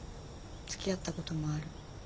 つきあったこともある。